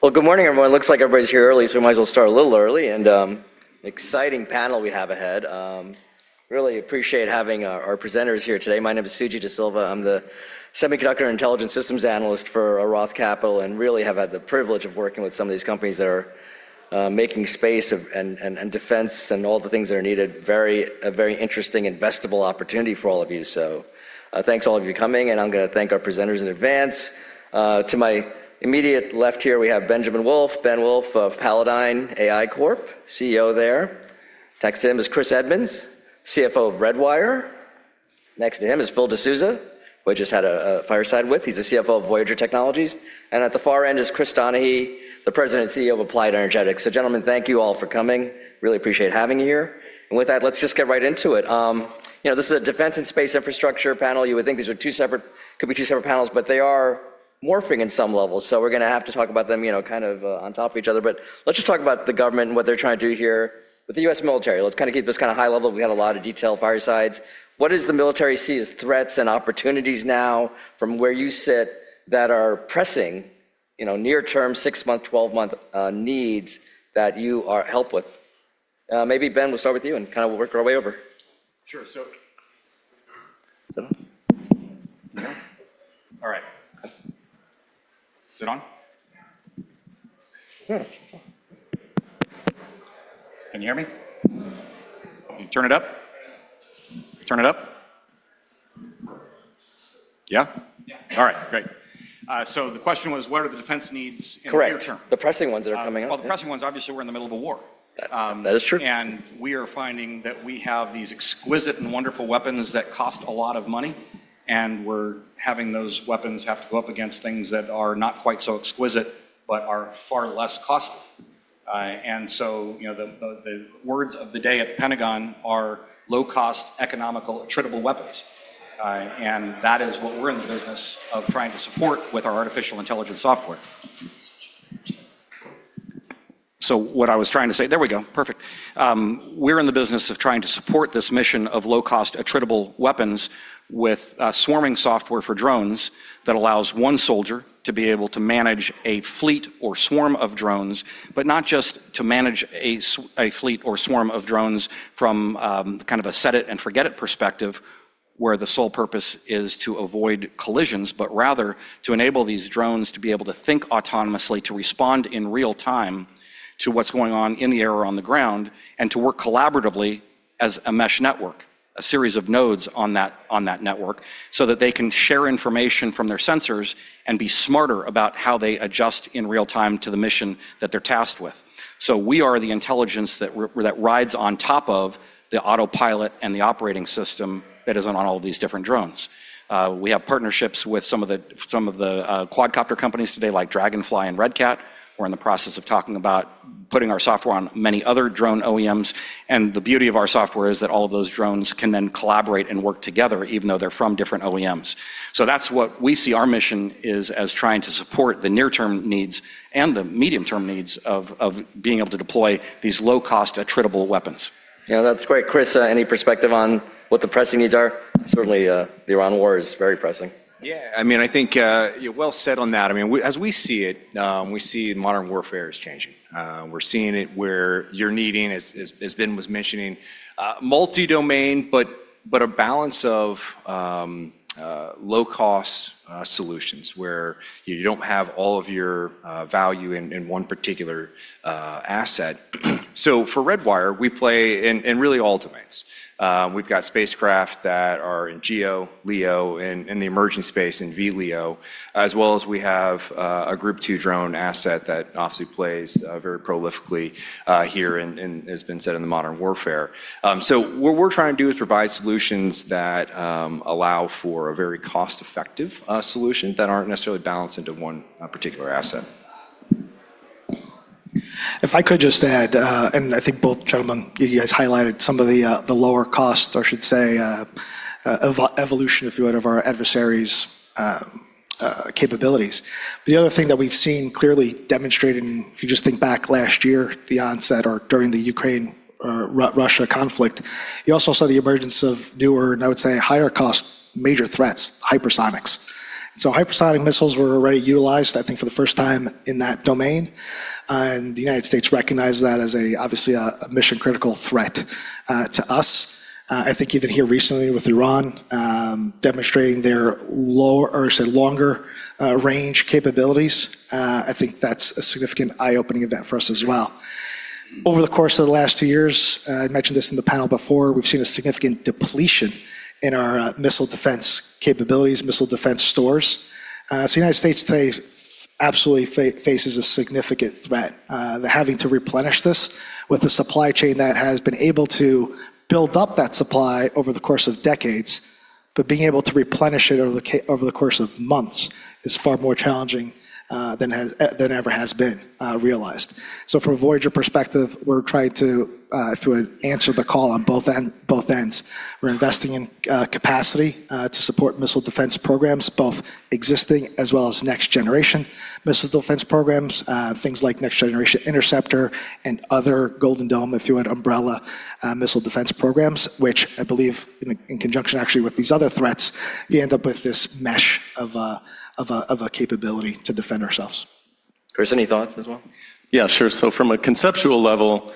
Well, good morning, everyone. Looks like everybody's here early, so we might as well start a little early. Exciting panel we have ahead. Really appreciate having our presenters here today. My name is Suji Desilva. I'm the Semiconductor and Intelligence Systems Analyst for Roth Capital, and really have had the privilege of working with some of these companies that are making space and defense and all the things that are needed. A very interesting investable opportunity for all of you. Thanks all of you coming, and I'm gonna thank our presenters in advance. To my immediate left here, we have Benjamin Wolff, Ben Wolff of Palladyne AI Corp., CEO there. Next to him is Chris Edmunds, CFO of Redwire. Next to him is Phil De Sousa, who I just had a fireside with. He's the CFO of Voyager Technologies. At the far end is Chris Donahue, the President and CEO of Applied Energetics. Gentlemen, thank you all for coming. Really appreciate having you here. With that, let's just get right into it. You know, this is a defense and space infrastructure panel. You would think these could be two separate panels, but they are morphing in some levels. We're gonna have to talk about them, you know, kind of, on top of each other. Let's just talk about the government and what they're trying to do here with the U.S. military. Let's kinda keep this kinda high level. We got a lot of detailed firesides. What does the military see as threats and opportunities now from where you sit that are pressing, you know, near-term, six-month, 12-month needs that you are helped with? Maybe Ben, we'll start with you, and kinda we'll work our way over. Sure. Is it on? No? All right. Is it on? Yeah, it's on. Can you hear me? Can you turn it up? Turn it up? Yeah? Yeah. All right. Great. The question was, what are the defense needs in the near term? Correct. The pressing ones that are coming up. Well, the pressing ones, obviously, we're in the middle of a war. That is true. We are finding that we have these exquisite and wonderful weapons that cost a lot of money, and we're having those weapons have to go up against things that are not quite so exquisite, but are far less costly. You know, the words of the day at the Pentagon are low-cost, economical, attritable weapons. That is what we're in the business of trying to support with our artificial intelligence software. We're in the business of trying to support this mission of low-cost, attritable weapons with swarming software for drones that allows one soldier to be able to manage a fleet or swarm of drones. Not just to manage a fleet or swarm of drones from kind of a set it and forget it perspective, where the sole purpose is to avoid collisions. Rather, to enable these drones to be able to think autonomously, to respond in real time to what's going on in the air or on the ground, and to work collaboratively as a mesh network, a series of nodes on that network, so that they can share information from their sensors and be smarter about how they adjust in real time to the mission that they're tasked with. We are the intelligence that rides on top of the autopilot and the operating system that is on all of these different drones. We have partnerships with some of the quadcopter companies today, like Draganfly and Red Cat. We're in the process of talking about putting our software on many other drone OEMs. The beauty of our software is that all of those drones can then collaborate and work together even though they're from different OEMs. That's what we see our mission is as trying to support the near-term needs and the medium-term needs of being able to deploy these low-cost, attritable weapons. Yeah, that's great. Chris, any perspective on what the pressing needs are? Certainly, the Ukraine war is very pressing. Yeah, I mean, I think, yeah, well said on that. I mean, as we see it, we see modern warfare is changing. We're seeing it where you're needing, as Ben was mentioning, multi-domain, but a balance of low-cost solutions where you don't have all of your value in one particular asset. For Redwire, we play in really all domains. We've got spacecraft that are in GEO, LEO, in the emerging space, in VLEO, as well as we have a Group 2 drone asset that obviously plays very prolifically, as has been said, in modern warfare. What we're trying to do is provide solutions that allow for a very cost-effective solution that aren't necessarily balanced into one particular asset. If I could just add, and I think both gentlemen, you guys highlighted some of the lower costs, or I should say, evolution, if you would, of our adversaries' capabilities. The other thing that we've seen clearly demonstrated, and if you just think back last year, the onset or during the Ukraine-Russia conflict, you also saw the emergence of newer, and I would say higher cost major threats, hypersonics. Hypersonic missiles were already utilized, I think, for the first time in that domain. The United States recognized that as obviously a mission critical threat to us. I think even here recently with Iran demonstrating their low- or, say, longer-range capabilities, I think that's a significant eye-opening event for us as well. Over the course of the last two years, I mentioned this in the panel before. We've seen a significant depletion in our missile defense capabilities, missile defense stores. United States today absolutely faces a significant threat. They're having to replenish this with a supply chain that has been able to build up that supply over the course of decades. Being able to replenish it over the course of months is far more challenging than it ever has been realized. From a Voyager perspective, we're trying, if you would, to answer the call on both ends. We're investing in capacity to support missile defense programs, both existing as well as next generation missile defense programs. Things like Next Generation Interceptor and other Golden Dome, if you would, umbrella missile defense programs, which I believe in conjunction actually with these other threats, you end up with this mesh of a capability to defend ourselves. Chris, any thoughts as well? Yeah, sure. From a conceptual level,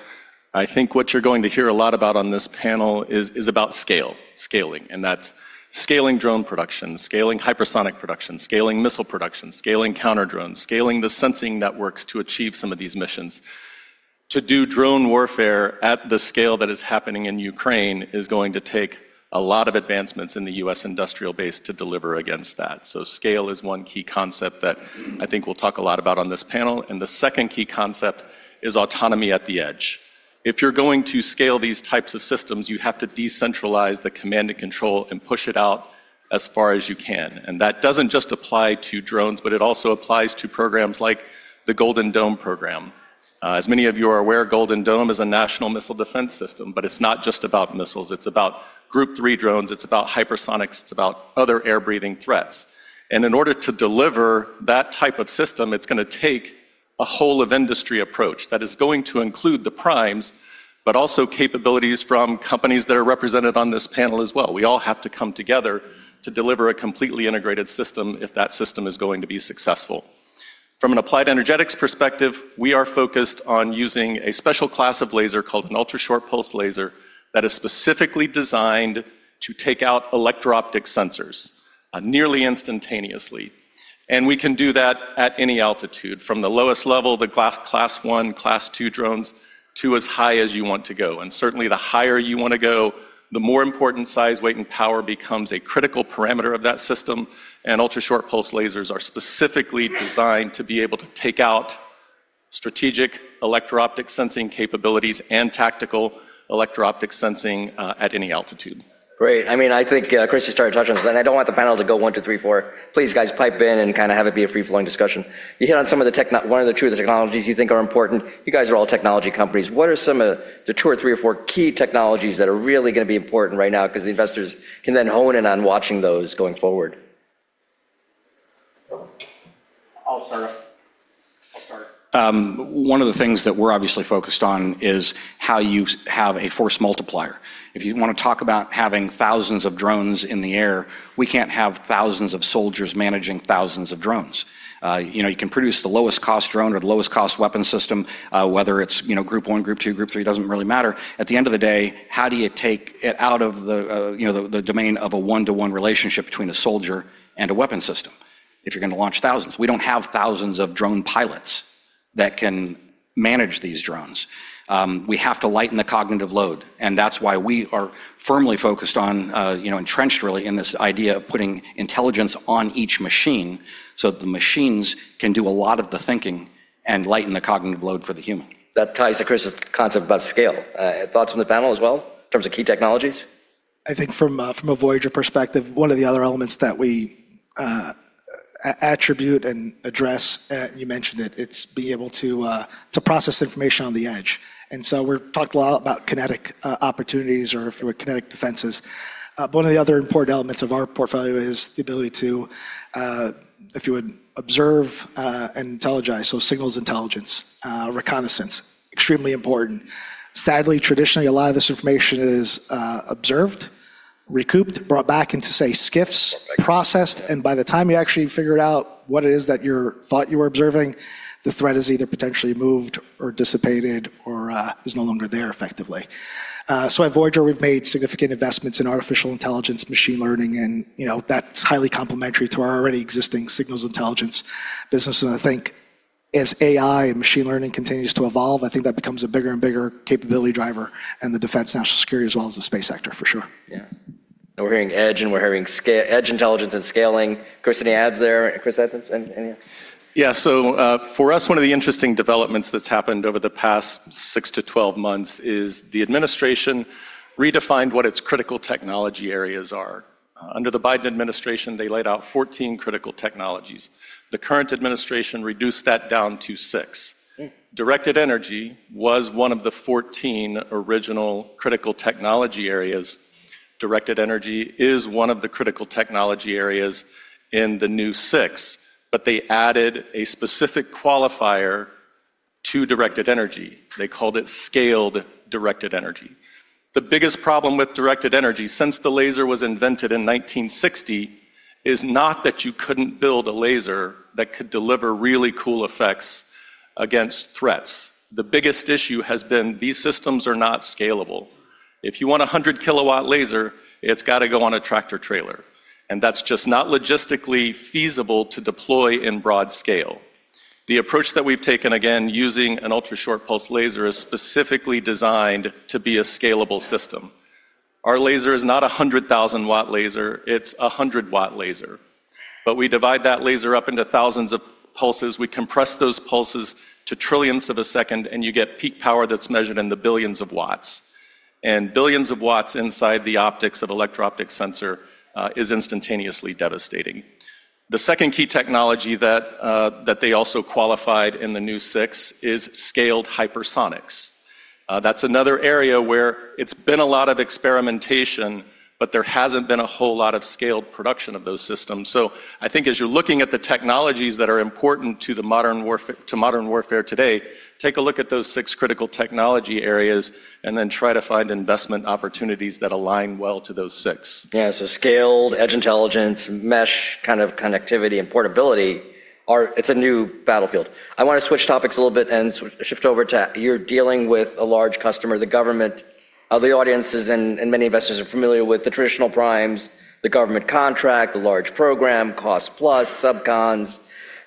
I think what you're going to hear a lot about on this panel is about scale, scaling, and that's scaling drone production, scaling hypersonic production, scaling missile production, scaling counter drones, scaling the sensing networks to achieve some of these missions. To do drone warfare at the scale that is happening in Ukraine is going to take a lot of advancements in the U.S. industrial base to deliver against that. Scale is one key concept that I think we'll talk a lot about on this panel, and the second key concept is autonomy at the edge. If you're going to scale these types of systems, you have to decentralize the command and control and push it out as far as you can. That doesn't just apply to drones, but it also applies to programs like the Golden Dome program. As many of you are aware, Golden Dome is a national missile defense system, but it's not just about missiles. It's about Group 3 drones. It's about hypersonics. It's about other air-breathing threats. In order to deliver that type of system, it's gonna take a whole of industry approach that is going to include the primes, but also capabilities from companies that are represented on this panel as well. We all have to come together to deliver a completely integrated system if that system is going to be successful. From an applied energetics perspective, we are focused on using a special class of laser called an ultrashort pulse laser that is specifically designed to take out electro-optic sensors, nearly instantaneously. We can do that at any altitude. From the lowest level, Class 1, Class 2 drones, to as high as you want to go. Certainly, the higher you wanna go, the more important size, weight, and power becomes a critical parameter of that system, and ultrashort pulse lasers are specifically designed to be able to take out strategic electro-optic sensing capabilities and tactical electro-optic sensing at any altitude. Great. I mean, I think, Chris, you started touching on this, and I don't want the panel to go one, two, three, four. Please, guys, pipe in and kinda have it be a free-flowing discussion. You hit on some of the two of the technologies you think are important. You guys are all technology companies. What are some of the two or three or four key technologies that are really gonna be important right now? 'Cause the investors can then hone in on watching those going forward. I'll start. One of the things that we're obviously focused on is how you have a force multiplier. If you wanna talk about having thousands of drones in the air, we can't have thousands of soldiers managing thousands of drones. You know, you can produce the lowest cost drone or the lowest cost weapon system, whether it's, you know, Group 1, Group 2, Group 3, it doesn't really matter. At the end of the day, how do you take it out of the, you know, the domain of a one-to-one relationship between a soldier and a weapon system if you're gonna launch thousands? We don't have thousands of drone pilots that can manage these drones. We have to lighten the cognitive load, and that's why we are firmly focused on, you know, entrenched really in this idea of putting intelligence on each machine, so the machines can do a lot of the thinking and lighten the cognitive load for the human. That ties to Chris' concept about scale. Thoughts from the panel as well in terms of key technologies? I think from a Voyager perspective, one of the other elements that we attribute and address, you mentioned it's being able to process information on the edge. We've talked a lot about kinetic opportunities or if it were kinetic defenses. One of the other important elements of our portfolio is the ability to, if you would, observe and intelligence, so signals intelligence, reconnaissance. Extremely important. Sadly, traditionally, a lot of this information is observed, recovered, brought back into, say, SCIFs, processed, and by the time you actually figure out what it is that you thought you were observing, the threat is either potentially moved or dissipated or is no longer there effectively. At Voyager, we've made significant investments in artificial intelligence, machine learning, and, you know, that's highly complementary to our already existing signals intelligence business. I think as AI and machine learning continues to evolve, I think that becomes a bigger and bigger capability driver in the defense national security, as well as the space sector for sure. Yeah. We're hearing edge, and we're hearing scale, edge intelligence and scaling. Chris, any adds there? Chris Edmunds, any? For us, one of the interesting developments that's happened over the past six to 12 months is the administration redefined what its critical technology areas are. Under the Biden administration, they laid out 14 critical technologies. The current administration reduced that down to six. Directed energy was one of the 14 original critical technology areas. Directed energy is one of the critical technology areas in the new six, but they added a specific qualifier to directed energy. They called it Scaled Directed Energy. The biggest problem with directed energy, since the laser was invented in 1960, is not that you couldn't build a laser that could deliver really cool effects against threats. The biggest issue has been these systems are not scalable. If you want a 100 kW laser, it's gotta go on a tractor trailer, and that's just not logistically feasible to deploy in broad scale. The approach that we've taken, again, using an ultrashort pulse laser, is specifically designed to be a scalable system. Our laser is not a 100,000 W laser. It's a 100 W laser. But we divide that laser up into thousands of pulses. We compress those pulses to trillionths of a second, and you get peak power that's measured in the billions of watts. Billions of watts inside the optics of electro-optic sensor is instantaneously devastating. The second key technology that they also qualified in the new six is Scaled Hypersonics. That's another area where it's been a lot of experimentation, but there hasn't been a whole lot of scaled production of those systems. I think as you're looking at the technologies that are important to modern warfare today, take a look at those six critical technology areas and then try to find investment opportunities that align well to those six. Yeah. Scaled edge intelligence, mesh kind of connectivity and portability. It's a new battlefield. I wanna switch topics a little bit and shift over to you're dealing with a large customer, the government. The audience is, and many investors are familiar with the traditional primes, the government contract, the large program, cost plus, sub-cons.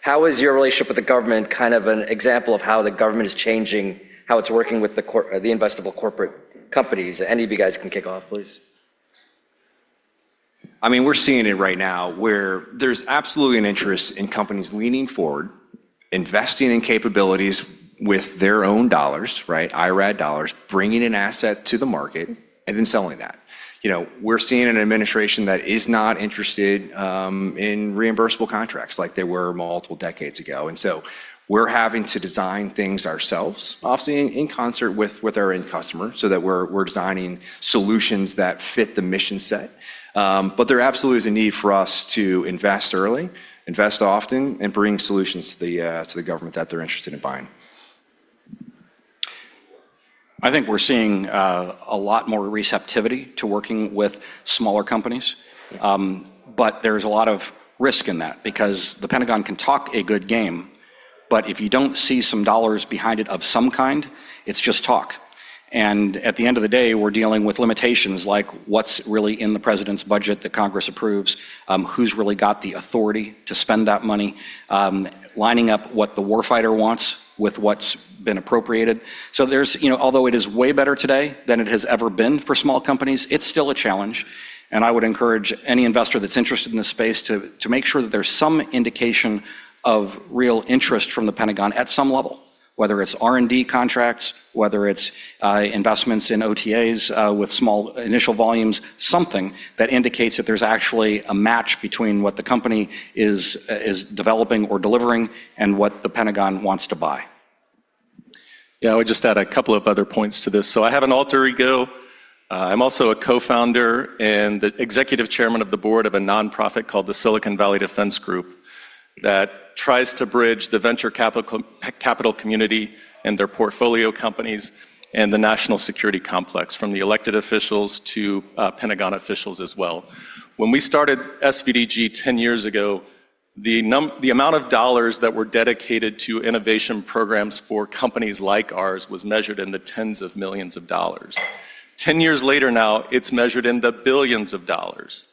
How is your relationship with the government kind of an example of how the government is changing how it's working with the investable corporate companies? Any of you guys can kick off, please. I mean, we're seeing it right now where there's absolutely an interest in companies leaning forward, investing in capabilities with their own dollars, right? IRAD dollars, bringing an asset to the market, and then selling that. You know, we're seeing an administration that is not interested in reimbursable contracts like they were multiple decades ago. We're having to design things ourselves, obviously in concert with our end customer, so that we're designing solutions that fit the mission set. There absolutely is a need for us to invest early, invest often, and bring solutions to the government that they're interested in buying. I think we're seeing a lot more receptivity to working with smaller companies. There's a lot of risk in that because the Pentagon can talk a good game, but if you don't see some dollars behind it of some kind, it's just talk. At the end of the day, we're dealing with limitations like what's really in the President's budget that Congress approves, who's really got the authority to spend that money, lining up what the war fighter wants with what's been appropriated. There's, you know, although it is way better today than it has ever been for small companies, it's still a challenge, and I would encourage any investor that's interested in this space to make sure that there's some indication of real interest from the Pentagon at some level, whether it's R&D contracts, whether it's investments in OTAs with small initial volumes, something that indicates that there's actually a match between what the company is developing or delivering and what the Pentagon wants to buy. Yeah, I would just add a couple of other points to this. I have an alter ego. I'm also a co-founder and the executive chairman of the board of a nonprofit called the Silicon Valley Defense Group that tries to bridge the venture capital community and their portfolio companies and the national security complex, from the elected officials to Pentagon officials as well. When we started SVDG 10 years ago, the amount of dollars that were dedicated to innovation programs for companies like ours was measured in the tens of millions of dollars. 10 years later now, it's measured in the billions of dollars.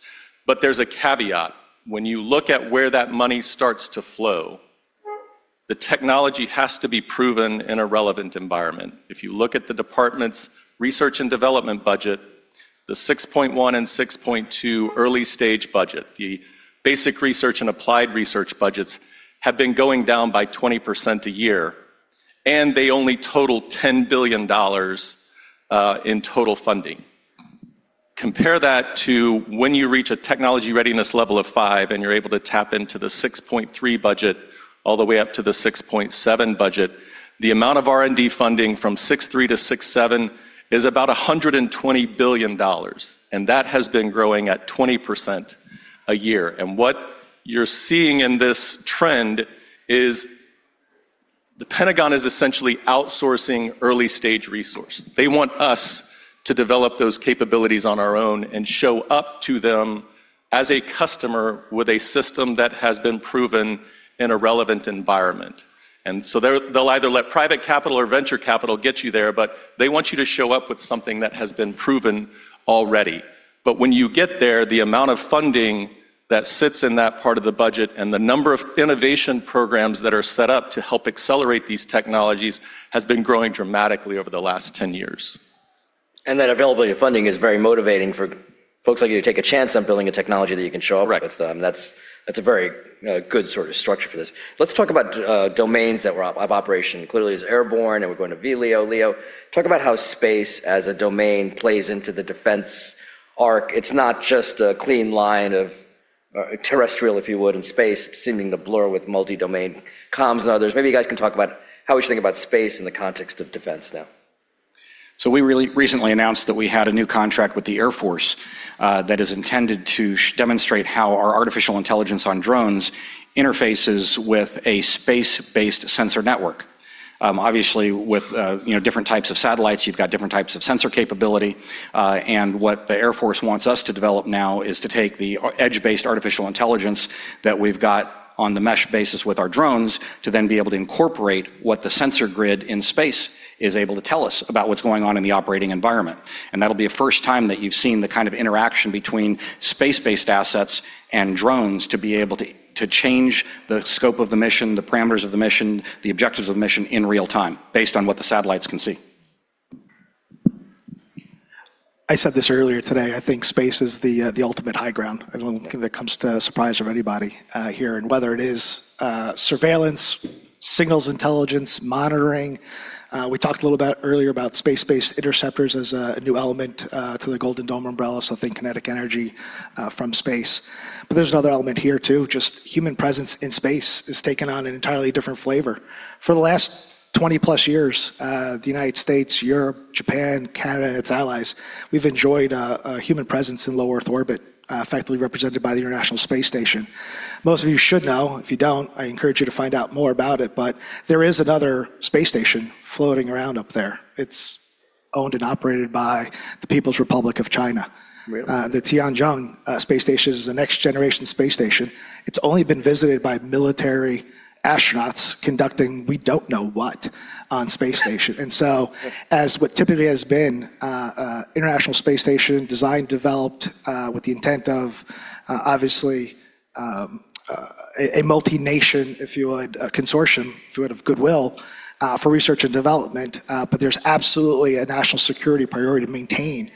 There's a caveat. When you look at where that money starts to flow, the technology has to be proven in a relevant environment. If you look at the department's research and development budget, the 6.1 and 6.2 early stage budget, the basic research and applied research budgets have been going down by 20% a year, and they only total $10 billion in total funding. Compare that to when you reach a Technology Readiness Level of 5, and you're able to tap into the 6.3 budget all the way up to the 6.7 budget. The amount of R&D funding from 6.3 to 6.7 is about $120 billion, and that has been growing at 20% a year. What you're seeing in this trend is the Pentagon is essentially outsourcing early-stage resource. They want us to develop those capabilities on our own and show up to them as a customer with a system that has been proven in a relevant environment. They'll either let private capital or venture capital get you there, but they want you to show up with something that has been proven already. When you get there, the amount of funding that sits in that part of the budget and the number of innovation programs that are set up to help accelerate these technologies has been growing dramatically over the last 10 years. That availability of funding is very motivating for folks like you to take a chance on building a technology that you can show up with them. Right. That's a very good sort of structure for this. Let's talk about domains of operation. Clearly, it's airborne, and we're going to VLEO, LEO. Talk about how space as a domain plays into the defense arc. It's not just a clean line of terrestrial, if you would, and space seeming to blur with multi-domain comms and others. Maybe you guys can talk about how we should think about space in the context of defense now. We recently announced that we had a new contract with the Air Force that is intended to demonstrate how our artificial intelligence on drones interfaces with a space-based sensor network. Obviously, with different types of satellites, you've got different types of sensor capability. What the Air Force wants us to develop now is to take the edge-based artificial intelligence that we've got on the mesh network with our drones to then be able to incorporate what the sensor grid in space is able to tell us about what's going on in the operating environment. That'll be the first time that you've seen the kind of interaction between space-based assets and drones to be able to change the scope of the mission, the parameters of the mission, the objectives of the mission in real time based on what the satellites can see. I said this earlier today. I think space is the ultimate high ground. I don't think that comes as a surprise for anybody here. Whether it is surveillance, signals intelligence, monitoring, we talked a little earlier about space-based interceptors as a new element to the Golden Dome umbrella, so think kinetic energy from space. There's another element here, too. Just human presence in space has taken on an entirely different flavor. For the last 20+ years, the United States, Europe, Japan, Canada, and its allies, we've enjoyed a human presence in low Earth orbit, effectively represented by the International Space Station. Most of you should know. If you don't, I encourage you to find out more about it. There is another space station floating around up there. It's owned and operated by the People's Republic of China. Really? The Tiangong Space Station is the next generation space station. It's only been visited by military astronauts conducting we don't know what on space station. As what typically has been a International Space Station designed, developed, with the intent of, obviously, a multinational, if you would, consortium, if you would, of goodwill, for research and development. But there's absolutely a national security priority to maintain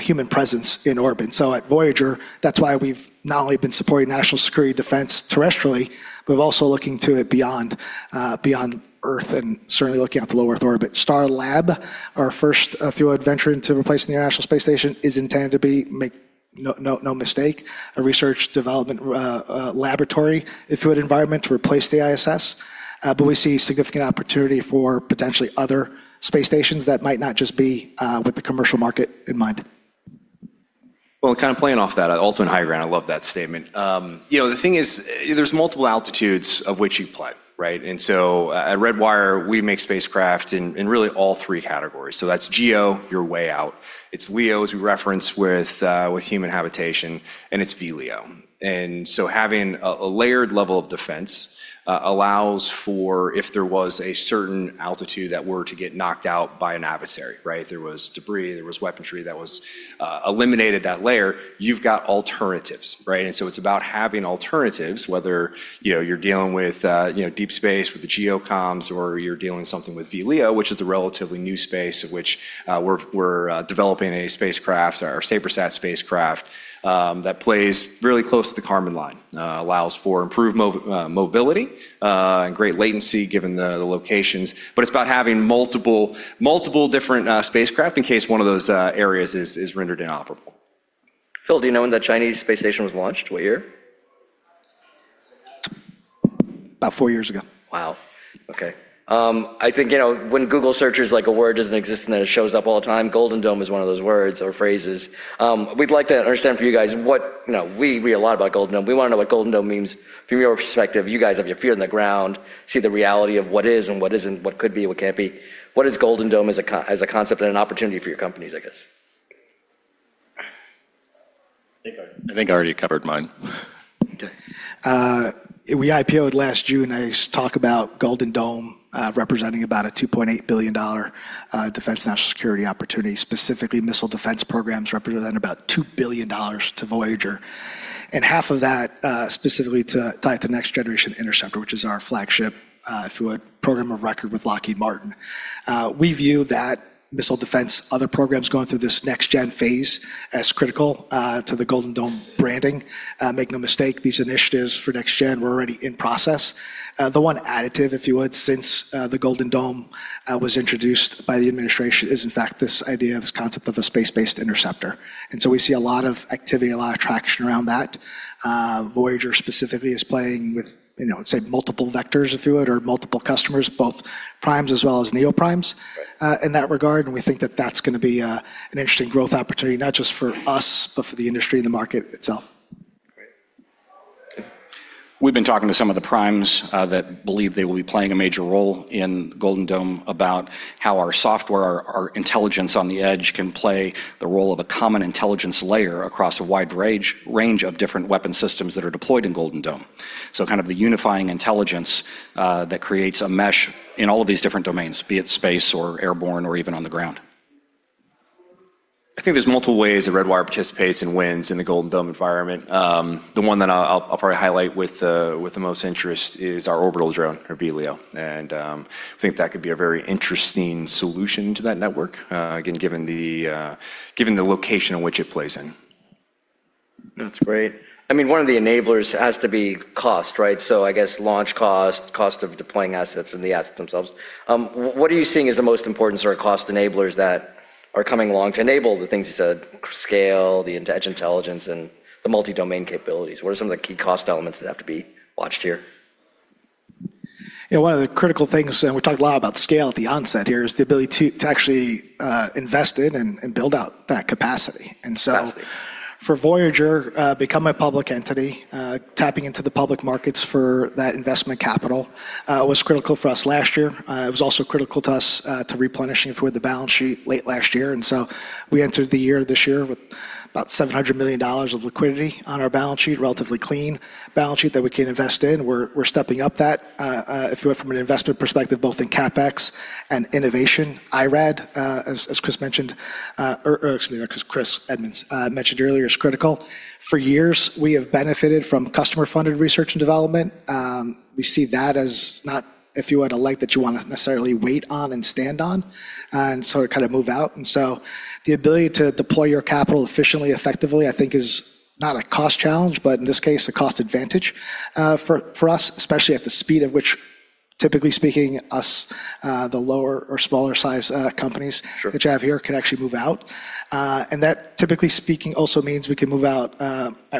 human presence in orbit. At Voyager, that's why we've not only been supporting national security defense terrestrially, but we're also looking to it beyond Earth, and certainly looking at the low Earth orbit. Starlab, our first, if you would, venture into replacing the International Space Station, is intended to be, make no mistake, a research development laboratory, if you would, environment to replace the ISS. We see significant opportunity for potentially other space stations that might not just be with the commercial market in mind. Well, kind of playing off that, ultimate high ground, I love that statement. You know, the thing is, there's multiple altitudes of which you play, right? At Redwire we make spacecraft in really all three categories. That's GEO, you're way out. It's LEO, as we referenced, with human habitation, and it's VLEO. Having a layered level of defense allows for if there was a certain altitude that were to get knocked out by an adversary, right? There was debris, there was weaponry that was eliminated that layer, you've got alternatives, right? It's about having alternatives, whether you know you're dealing with you know deep space with the GEO comms, or you're dealing with something with VLEO, which is a relatively new space in which we're developing a spacecraft, our SabreSat spacecraft, that plays really close to the Kármán Line, allows for improved mobility and great latency given the locations. It's about having multiple different spacecraft in case one of those areas is rendered inoperable. Phil, do you know when the Chinese space station was launched? What year? About four years ago. Wow. Okay. I think, you know, when Google searches, like, a word doesn't exist, and then it shows up all the time, Golden Dome is one of those words or phrases. We'd like to understand from you guys what you know, we read a lot about Golden Dome. We wanna know what Golden Dome means from your perspective. You guys have your feet on the ground, see the reality of what is and what isn't, what could be and what can't be. What is Golden Dome as a concept and an opportunity for your companies, I guess? I think I already covered mine. Okay. We IPO'd last June. I talk about Golden Dome representing about a $2.8 billion defense national security opportunity, specifically missile defense programs representing about $2 billion to Voyager, and half of that specifically to tie it to Next Generation Interceptor, which is our flagship, if you would, program of record with Lockheed Martin. We view that missile defense other programs going through this next-gen phase as critical to the Golden Dome branding. Make no mistake, these initiatives for next gen were already in process. The one additive, if you would, since the Golden Dome was introduced by the administration is in fact this idea, this concept of a space-based interceptor. We see a lot of activity, a lot of traction around that. Voyager specifically is playing with, you know, say, multiple vectors, if you would, or multiple customers, both primes as well as neo-primes, in that regard. We think that that's gonna be an interesting growth opportunity, not just for us, but for the industry and the market itself. Great. We've been talking to some of the primes that believe they will be playing a major role in Golden Dome about how our software, our intelligence on the edge can play the role of a common intelligence layer across a wide range of different weapon systems that are deployed in Golden Dome. Kind of the unifying intelligence that creates a mesh in all of these different domains, be it space or airborne or even on the ground. I think there's multiple ways that Redwire participates and wins in the Golden Dome environment. The one that I'll probably highlight with the most interest is our orbital drone, or VLEO. I think that could be a very interesting solution to that network, again, given the location in which it plays in. That's great. I mean, one of the enablers has to be cost, right? So I guess launch cost of deploying assets, and the assets themselves. What are you seeing as the most important sort of cost enablers that are coming along to enable the things you said, scale, the intelligence, and the multi-domain capabilities? What are some of the key cost elements that have to be watched here? You know, one of the critical things, and we talked a lot about scale at the onset here, is the ability to actually invest in and build out that capacity. Absolutely. For Voyager to become a public entity, tapping into the public markets for that investment capital, was critical for us last year. It was also critical to us to replenishing for the balance sheet late last year. We entered the year this year with about $700 million of liquidity on our balance sheet, relatively clean balance sheet that we can invest in. We're stepping up that, if you would, from an investment perspective, both in CapEx and innovation. IRAD, as Chris mentioned, or excuse me not Chris, Edmunds, mentioned earlier, is critical. For years, we have benefited from customer funded research and development. We see that as not, if you would, a leg that you wanna necessarily wait on and stand on and sort of kind of move out. The ability to deploy your capital efficiently, effectively, I think is not a cost challenge, but in this case, a cost advantage for us, especially at the speed at which, typically speaking, the lower or smaller size companies, which I have here, can actually move out. That, typically speaking, also means we can move out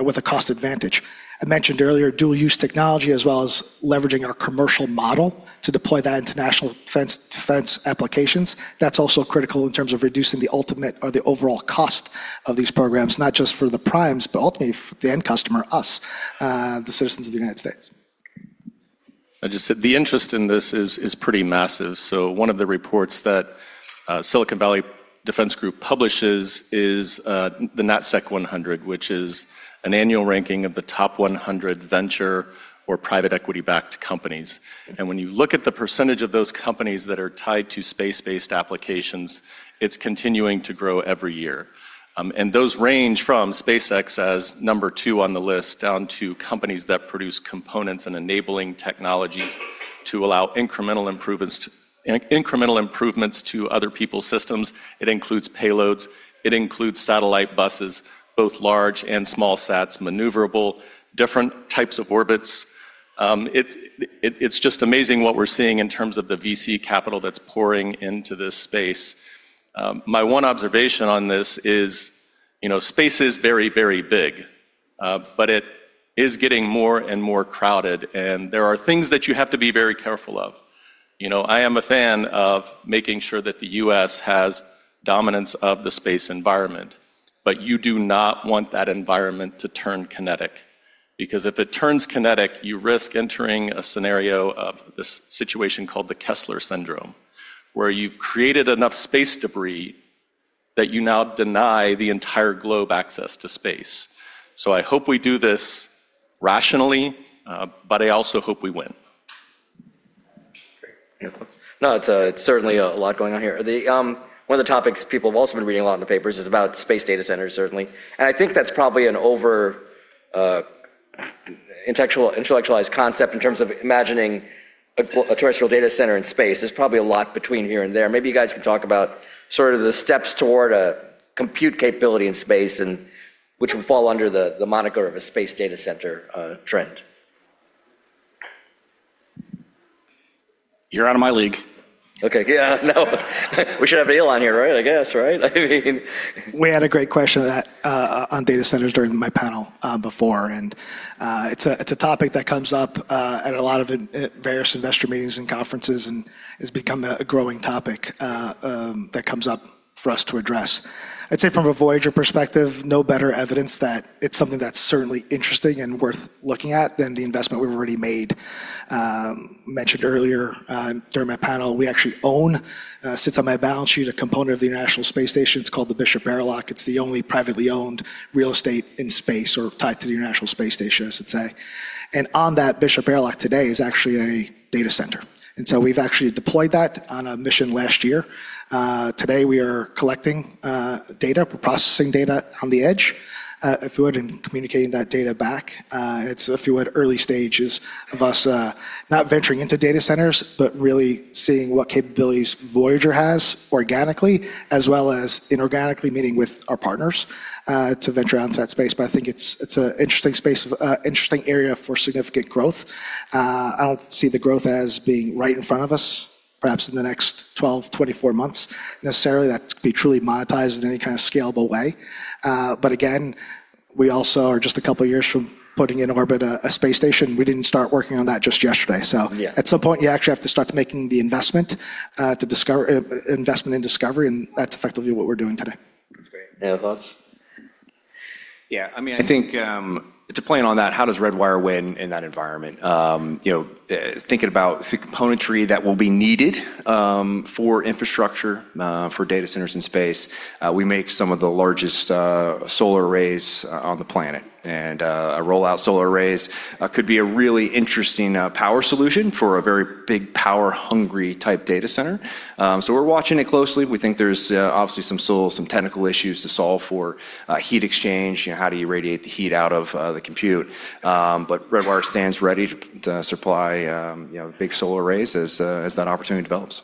with a cost advantage. I mentioned earlier dual use technology as well as leveraging our commercial model to deploy that into national defense applications. That's also critical in terms of reducing the ultimate or the overall cost of these programs, not just for the primes, but ultimately for the end customer, us, the citizens of the United States. I just said the interest in this is pretty massive. One of the reports that Silicon Valley Defense Group publishes is the NatSec100, which is an annual ranking of the top 100 venture or private equity-backed companies. When you look at the percentage of those companies that are tied to space-based applications, it's continuing to grow every year. Those range from SpaceX as number two on the list down to companies that produce components and enabling technologies to allow incremental improvements to other people's systems. It includes payloads, it includes satellite buses, both large and small sats, maneuverable, different types of orbits. It's just amazing what we're seeing in terms of the VC capital that's pouring into this space. My one observation on this is, you know, space is very, very big, but it is getting more and more crowded, and there are things that you have to be very careful of. You know, I am a fan of making sure that the U.S. has dominance of the space environment, but you do not want that environment to turn kinetic because if it turns kinetic, you risk entering a scenario of this situation called the Kessler Syndrome, where you've created enough space debris that you now deny the entire globe access to space. I hope we do this rationally, but I also hope we win. Great. Any other thoughts? No, it's certainly a lot going on here. One of the topics people have also been reading a lot in the papers is about space data centers, certainly. I think that's probably an over-intellectualized concept in terms of imagining a terrestrial data center in space. There's probably a lot between here and there. Maybe you guys can talk about sort of the steps toward a compute capability in space and which would fall under the moniker of a space data center trend. You're out of my league. Okay. Yeah. No. We should have Elon here, right? I guess, right? I mean. We had a great question on that, on data centers during my panel, before. It's a topic that comes up at a lot of various investor meetings and conferences and has become a growing topic that comes up for us to address. I'd say from a Voyager perspective, no better evidence that it's something that's certainly interesting and worth looking at than the investment we've already made. Mentioned earlier during my panel, we actually own sits on my balance sheet, a component of the International Space Station. It's called the Bishop Airlock. It's the only privately owned real estate in space or tied to the International Space Station, I should say. On that Bishop Airlock today is actually a data center. We've actually deployed that on a mission last year. Today we are collecting data. We're processing data on the edge, if you would, and communicating that data back. It's, if you would, early stages of us not venturing into data centers, but really seeing what capabilities Voyager has organically as well as inorganically meeting with our partners to venture out into that space. I think it's an interesting space of interesting area for significant growth. I don't see the growth as being right in front of us, perhaps in the next 12, 24 months necessarily that could be truly monetized in any kind of scalable way. Again, we also are just a couple of years from putting in orbit a space station. We didn't start working on that just yesterday. Yeah At some point, you actually have to start making the investment in discovery, and that's effectively what we're doing today. That's great. Any other thoughts? Yeah, I mean, I think to plan on that, how does Redwire win in that environment? You know, thinking about the componentry that will be needed for infrastructure for data centers in space. We make some of the largest solar arrays on the planet. A Roll-Out Solar Array could be a really interesting power solution for a very big power-hungry type data center. So we're watching it closely. We think there's obviously some technical issues to solve for heat exchange. You know, how do you radiate the heat out of the compute? Redwire stands ready to supply you know, big solar arrays as that opportunity develops.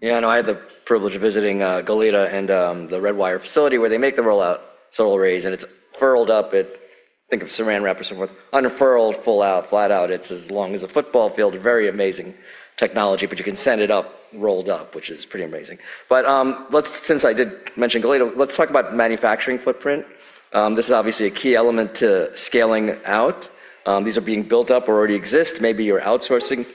Yeah, I know. I had the privilege of visiting Goleta and the Redwire facility where they make the Roll-Out Solar Array, and it's furled up. Think of Saran Wrap or something. Unfurled, full out, flat out, it's as long as a football field. Very amazing technology, but you can send it up rolled up, which is pretty amazing. Since I did mention Goleta, let's talk about manufacturing footprint. This is obviously a key element to scaling out. These are being built up or already exist. Maybe you're outsourcing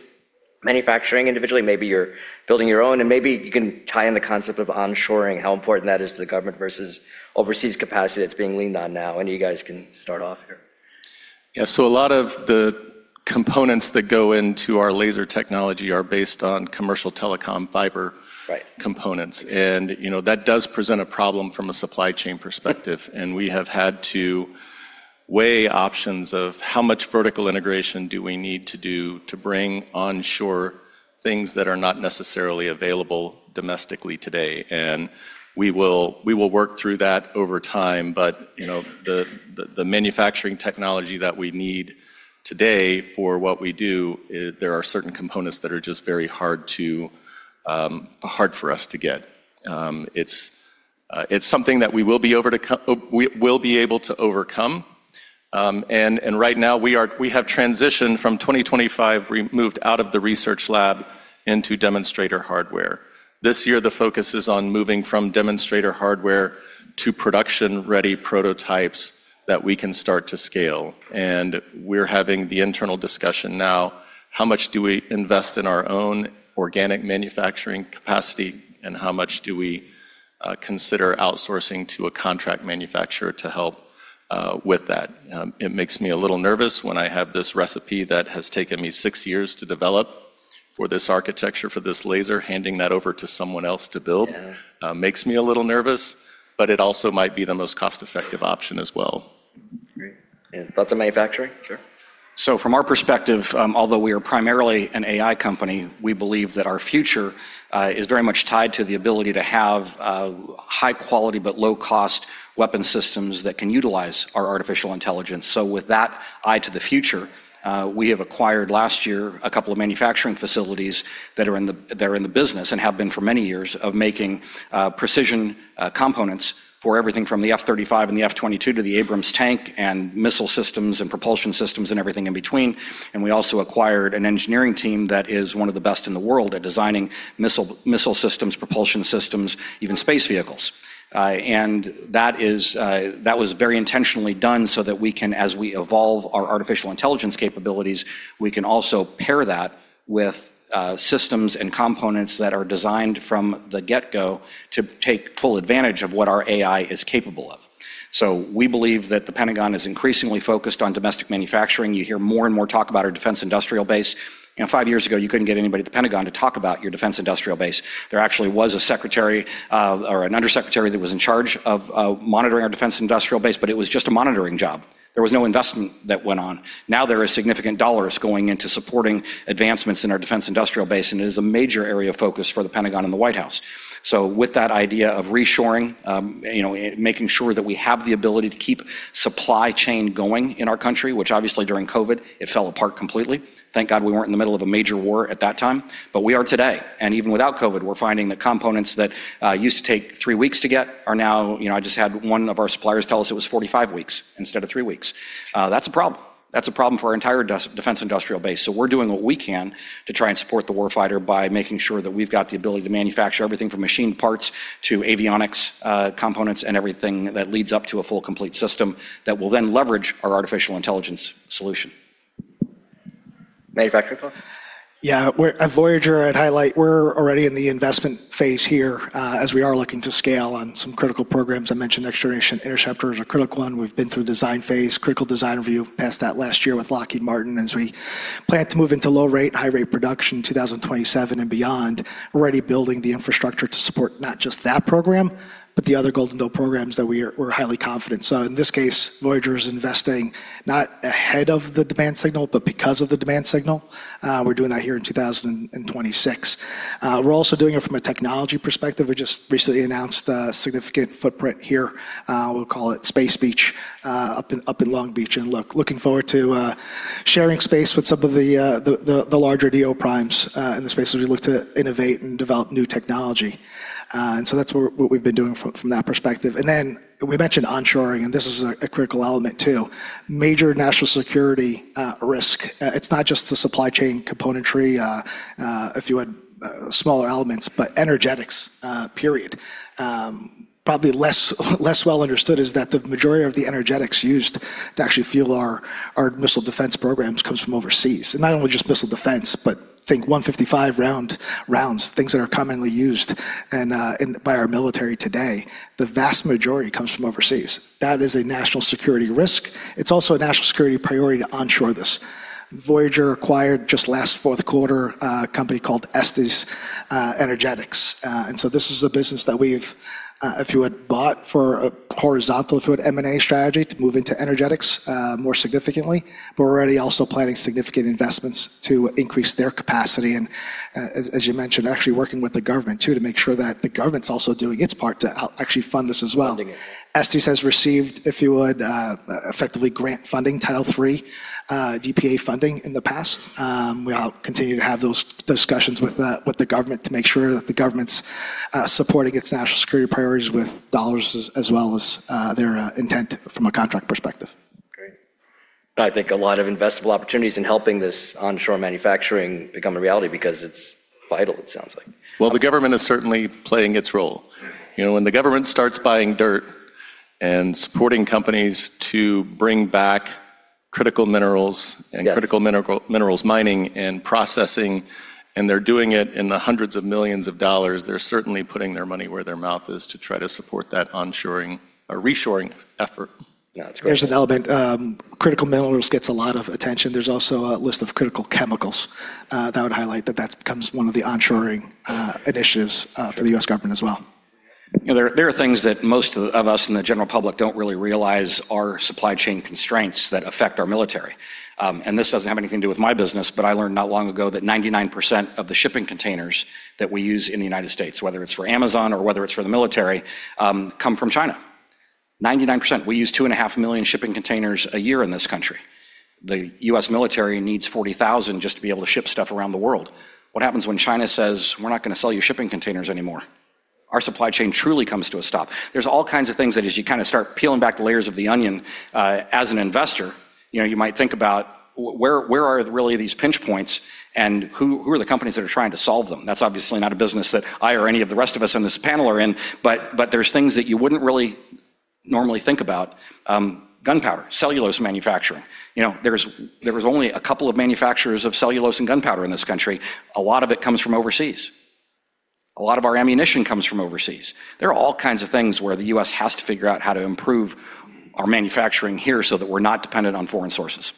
manufacturing individually, maybe you're building your own, and maybe you can tie in the concept of onshoring, how important that is to the government versus overseas capacity that's being leaned on now. Any of you guys can start off here. Yeah. A lot of the components that go into our laser technology are based on commercial telecom fiber components. Exactly. You know, that does present a problem from a supply chain perspective. We have had to weigh options of how much vertical integration do we need to do to bring onshore things that are not necessarily available domestically today. We will work through that over time. You know, the manufacturing technology that we need today for what we do, there are certain components that are just very hard for us to get. It's something that we'll be able to overcome. Right now, we have transitioned from 2025. We moved out of the research lab into demonstrator hardware. This year, the focus is on moving from demonstrator hardware to production-ready prototypes that we can start to scale. We're having the internal discussion now, how much do we invest in our own organic manufacturing capacity, and how much do we consider outsourcing to a contract manufacturer to help with that. It makes me a little nervous when I have this recipe that has taken me six years to develop for this architecture, for this laser, handing that over to someone else to build. Yeah. Makes me a little nervous, but it also might be the most cost-effective option as well. Great. Thoughts on manufacturing? Sure. From our perspective, although we are primarily an AI company, we believe that our future is very much tied to the ability to have high quality but low cost weapon systems that can utilize our artificial intelligence. With that eye to the future, we have acquired last year a couple of manufacturing facilities that are in the business and have been for many years of making precision components for everything from the F-35 and the F-22 to the Abrams tank and missile systems and propulsion systems and everything in between. We also acquired an engineering team that is one of the best in the world at designing missile systems, propulsion systems, even space vehicles. That was very intentionally done so that we can, as we evolve our artificial intelligence capabilities, we can also pair that with systems and components that are designed from the get-go to take full advantage of what our AI is capable of. We believe that the Pentagon is increasingly focused on domestic manufacturing. You hear more and more talk about our defense industrial base. You know, five years ago, you couldn't get anybody at the Pentagon to talk about your defense industrial base. There actually was a secretary or an undersecretary that was in charge of monitoring our defense industrial base, but it was just a monitoring job. There was no investment that went on. Now there is significant dollars going into supporting advancements in our defense industrial base, and it is a major area of focus for the Pentagon and the White House. With that idea of reshoring, you know, making sure that we have the ability to keep supply chain going in our country, which obviously during COVID, it fell apart completely. Thank God we weren't in the middle of a major war at that time, but we are today, and even without COVID, we're finding that components that used to take three weeks to get are now. You know, I just had one of our suppliers tell us it was 45 weeks instead of three weeks. That's a problem. That's a problem for our entire defense industrial base. We're doing what we can to try and support the war fighter by making sure that we've got the ability to manufacture everything from machine parts to avionics, components and everything that leads up to a full complete system that will then leverage our artificial intelligence solution. Manufacturing thoughts? At Voyager, I'd highlight we're already in the investment phase here, as we are looking to scale on some critical programs. I mentioned Next Generation Interceptor is a critical one. We've been through design phase, critical design review, passed that last year with Lockheed Martin as we plan to move into low rate, high rate production in 2027 and beyond. We're already building the infrastructure to support not just that program, but the other Golden Dome programs that we're highly confident. In this case, Voyager is investing not ahead of the demand signal, but because of the demand signal. We're doing that here in 2026. We're also doing it from a technology perspective. We just recently announced a significant footprint here. We'll call it Space Beach, up in Long Beach. Looking forward to sharing space with some of the larger DOD primes in the space as we look to innovate and develop new technology. That's where what we've been doing from that perspective. Then we mentioned onshoring, and this is a critical element too. Major national security risk. It's not just the supply chain componentry if you had smaller elements, but energetics period. Probably less well understood is that the majority of the energetics used to actually fuel our missile defense programs comes from overseas, and not only just missile defense, but think 155mm rounds, things that are commonly used and in by our military today. The vast majority comes from overseas. That is a national security risk. It's also a national security priority to onshore this. Voyager acquired just last fourth quarter a company called Estes Energetics. This is a business that we've bought for a horizontal through an M&A strategy to move into energetics more significantly. We're already also planning significant investments to increase their capacity and, as you mentioned, actually working with the government too to make sure that the government's also doing its part to actually fund this as well funding it. Estes has received, if you would, effectively grant funding Title III DPA funding in the past. We'll continue to have those discussions with the government to make sure that the government's supporting its national security priorities with dollars as well as their intent from a contract perspective. Great. I think a lot of investable opportunities in helping this onshore manufacturing become a reality because it's vital. It sounds like. Well, the government is certainly playing its role. Right. You know, when the government starts buying dirt and supporting companies to bring back critical minerals. Yes. Critical minerals mining and processing, and they're doing it in the hundreds of millions of dollars. They're certainly putting their money where their mouth is to try to support that onshoring or reshoring effort. Yeah, that's right. There's an element. Critical minerals gets a lot of attention. There's also a list of critical chemicals that would highlight that becomes one of the onshoring initiatives for the U.S. government as well. You know, there are things that most of us in the general public don't really realize are supply chain constraints that affect our military. This doesn't have anything to do with my business, but I learned not long ago that 99% of the shipping containers that we use in the United States, whether it's for Amazon or whether it's for the military, come from China. 99%. We use 2.5 million shipping containers a year in this country. The U.S. military needs 40,000 just to be able to ship stuff around the world. What happens when China says, "We're not gonna sell you shipping containers anymore"? Our supply chain truly comes to a stop. There's all kinds of things that, as you kind of start peeling back the layers of the onion, as an investor, you know, you might think about where are really these pinch points and who are the companies that are trying to solve them? That's obviously not a business that I or any of the rest of us on this panel are in, but there's things that you wouldn't really normally think about, gunpowder, cellulose manufacturing. You know, there was only a couple of manufacturers of cellulose and gunpowder in this country. A lot of it comes from overseas. A lot of our ammunition comes from overseas. There are all kinds of things where the U.S. has to figure out how to improve our manufacturing here so that we're not dependent on foreign sources.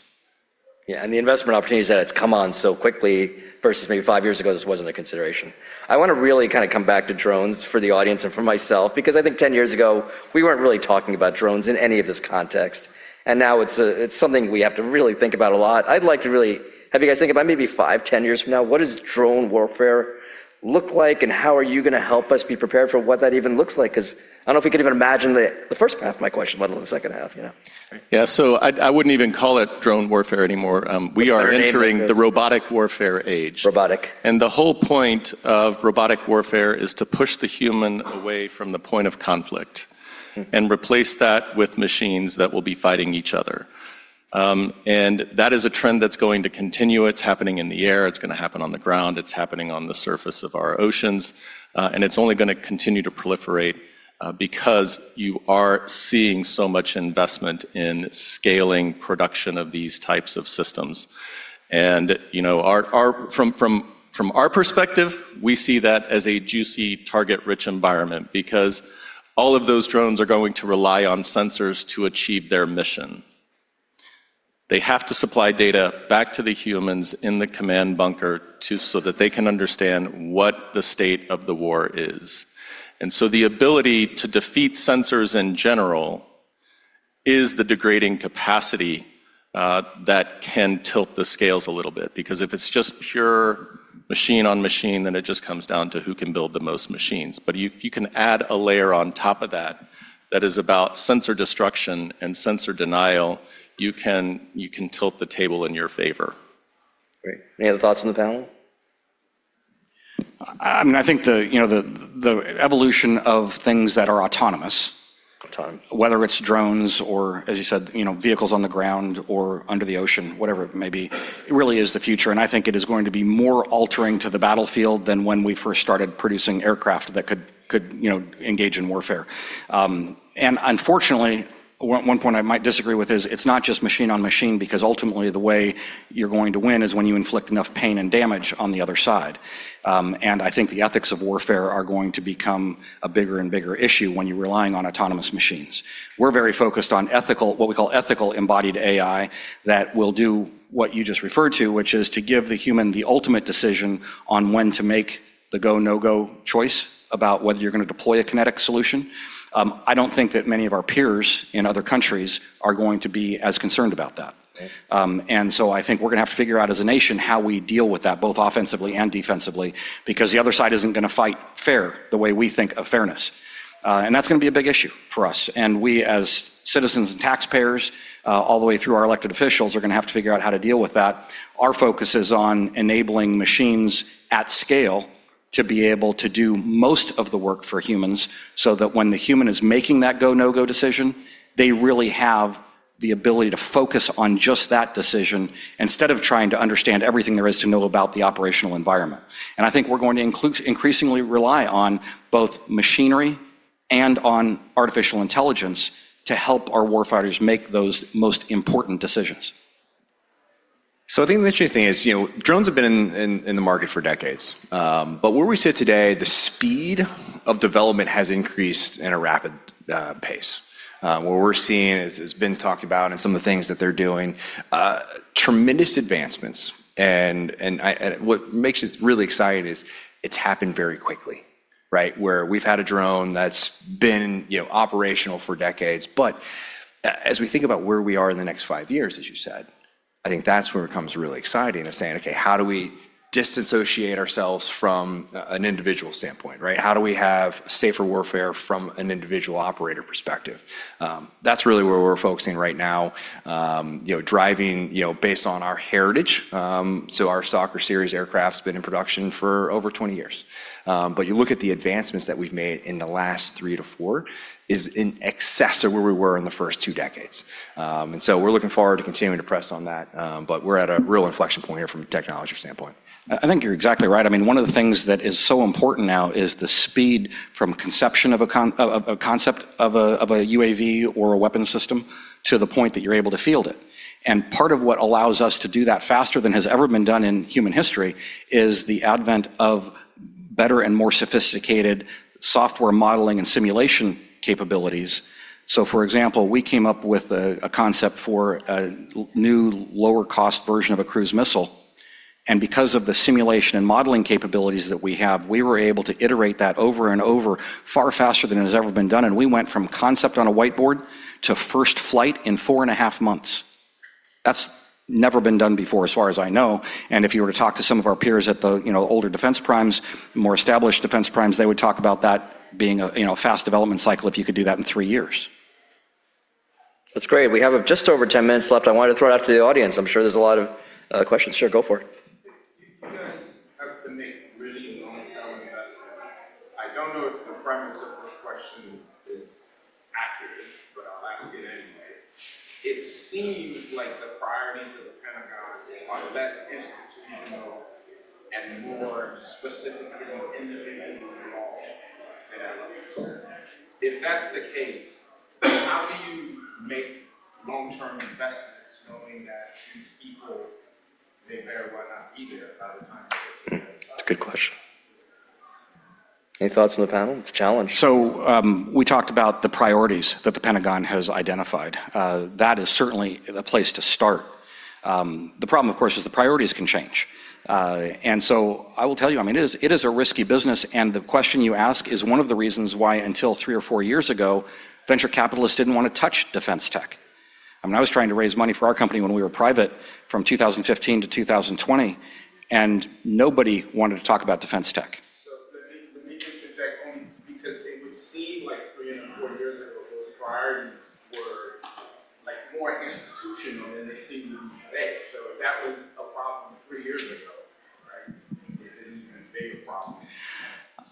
Yeah. The investment opportunities that it's come on so quickly versus maybe five years ago, this wasn't a consideration. I wanna really kind of come back to drones for the audience and for myself, because I think 10 years ago, we weren't really talking about drones in any of this context, and now it's it's something we have to really think about a lot. I'd like to really have you guys think about maybe five, 10 years from now, what does drone warfare look like, and how are you gonna help us be prepared for what that even looks like? 'Cause I don't know if we can even imagine the first half of my question, let alone the second half, you know? Right. Yeah. I wouldn't even call it drone warfare anymore. We are- The third age, I guess. -entering the robotic warfare age. Robotic. The whole point of robotic warfare is to push the human away from the point of conflict replace that with machines that will be fighting each other. That is a trend that's going to continue. It's happening in the air. It's gonna happen on the ground. It's happening on the surface of our oceans. It's only gonna continue to proliferate because you are seeing so much investment in scaling production of these types of systems. You know, from our perspective, we see that as a juicy target-rich environment because all of those drones are going to rely on sensors to achieve their mission. They have to supply data back to the humans in the command bunker so that they can understand what the state of the war is. The ability to defeat sensors in general is the degrading capacity that can tilt the scales a little bit. Because if it's just pure machine on machine, then it just comes down to who can build the most machines. If you can add a layer on top of that is about sensor destruction and sensor denial, you can tilt the table in your favor. Great. Any other thoughts from the panel? I mean, I think you know, the evolution of things that are autonomous. Autonomous Whether it's drones or, as you said, you know, vehicles on the ground or under the ocean, whatever it may be, it really is the future. I think it is going to be more altering to the battlefield than when we first started producing aircraft that could, you know, engage in warfare. Unfortunately, one point I might disagree with is it's not just machine on machine, because ultimately, the way you're going to win is when you inflict enough pain and damage on the other side. I think the ethics of warfare are going to become a bigger and bigger issue when you're relying on autonomous machines. We're very focused on ethical, what we call ethical embodied AI, that will do what you just referred to, which is to give the human the ultimate decision on when to make the go, no-go choice about whether you're gonna deploy a kinetic solution. I don't think that many of our peers in other countries are going to be as concerned about that. Okay. I think we're gonna have to figure out as a nation how we deal with that, both offensively and defensively, because the other side isn't gonna fight fair the way we think of fairness. That's gonna be a big issue for us. We as citizens and taxpayers, all the way through our elected officials, are gonna have to figure out how to deal with that. Our focus is on enabling machines at scale to be able to do most of the work for humans, so that when the human is making that go, no-go decision, they really have the ability to focus on just that decision instead of trying to understand everything there is to know about the operational environment. I think we're going to increasingly rely on both machinery and on artificial intelligence to help our war fighters make those most important decisions. I think the interesting thing is, you know, drones have been in the market for decades. Where we sit today, the speed of development has increased in a rapid pace. What we're seeing, as Ben's talked about and some of the things that they're doing, tremendous advancements. What makes this really exciting is it's happened very quickly, right? Where we've had a drone that's been, you know, operational for decades. As we think about where we are in the next five years, as you said, I think that's where it becomes really exciting, is saying, "Okay, how do we disassociate ourselves from an individual standpoint," right? How do we have safer warfare from an individual operator perspective? That's really where we're focusing right now. You know, driving, you know, based on our Heritage, so our Stalker series aircraft's been in production for over 20 years. You look at the advancements that we've made in the last three to four is in excess of where we were in the first two decades. We're looking forward to continuing to press on that. We're at a real inflection point here from a technology standpoint. I think you're exactly right. I mean, one of the things that is so important now is the speed from conception of a concept of a UAV or a weapon system to the point that you're able to field it. Part of what allows us to do that faster than has ever been done in human history is the advent of better and more sophisticated software modeling and simulation capabilities. For example, we came up with a concept for a new lower cost version of a cruise missile, and because of the simulation and modeling capabilities that we have, we were able to iterate that over and over far faster than it has ever been done, and we went from concept on a whiteboard to first flight in 4.5 months. That's never been done before, as far as I know. If you were to talk to some of our peers at the, you know, older defense primes, more established defense primes, they would talk about that being a, you know, fast development cycle if you could do that in three years. That's great. We have just over 10 minutes left. I wanted to throw it out to the audience. I'm sure there's a lot of questions. Sure, go for it. You guys have to make really long-term investments. I don't know if the premise of this question is accurate, but I'll ask it anyway. It seems like the priorities of the Pentagon are less institutional. More specifically, individuals involved at that level. If that's the case, how do you make long-term investments knowing that these people may very well not be there by the time it gets to that time? It's a good question. Any thoughts on the panel? It's a challenge. We talked about the priorities that the Pentagon has identified. That is certainly a place to start. The problem, of course, is the priorities can change. I will tell you, I mean, it is a risky business, and the question you ask is one of the reasons why until three or four years ago, venture capitalists didn't wanna touch defense tech. I mean, I was trying to raise money for our company when we were private from 2015 to 2020, and nobody wanted to talk about defense tech. Let me just check only because it would seem like three and four years ago, those priorities were, like, more institutional than they seem to be today. If that was a problem three years ago, right, is it an even bigger problem today?